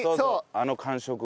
あの感触を。